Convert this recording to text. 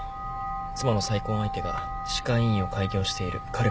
妻の再婚相手が歯科医院を開業している苅部達郎。